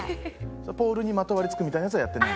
ポールにまとわりつくみたいなやつはやってない？